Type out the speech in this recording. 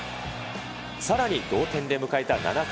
さらに同点で迎えた７回。